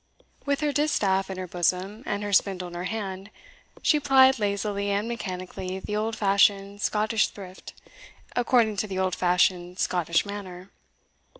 With her distaff in her bosom, and her spindle in her hand, she plied lazily and mechanically the old fashioned Scottish thrift, according to the old fashioned Scottish manner.